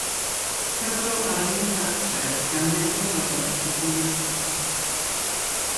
Cyfrol ar win cartref gan Medwyn Roberts yw Gwinoedd Cartref.